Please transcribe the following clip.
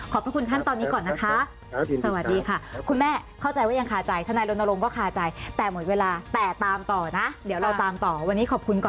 โปรดติดตามตอนต่อไป